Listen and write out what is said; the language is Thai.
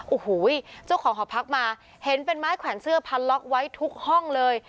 โอ้โหเจ้าของหอพักมาเห็นเป็นไม้แขวนเสื้อพันล็อกไว้ทุกห้องเลย